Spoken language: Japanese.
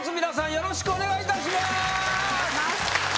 よろしくお願いします。